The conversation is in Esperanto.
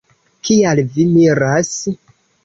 Kial vi miras?